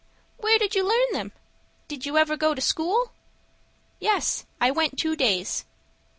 "Where did you learn them? Did you ever go to school?" "Yes; I went two days."